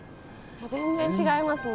全然違いますね。